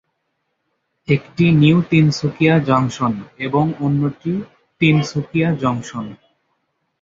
একটি new Tinsukia junction এবং অন্যটি তিনসুকিয়া জংশন।